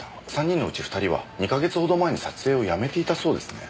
３人のうち２人は２か月ほど前に撮影をやめていたそうですね。